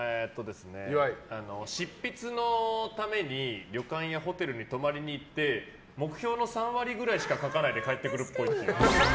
執筆のために旅館やホテルに泊まりにいって目標の３割くらいしか書かないで帰ってくるっぽい。